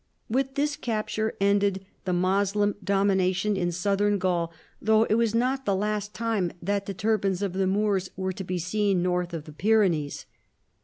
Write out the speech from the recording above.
With this capture ended the Moslem domina tion in Soutliern Gaul, though it was not the last PIPPIN, KING OF THE FRANKS. 105 time that the turbans of the Moors were to be seen north of the Pyrenees.